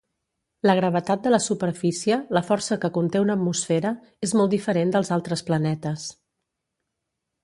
La gravetat de la superfície, la força que conté una atmosfera, és molt diferent dels altres planetes.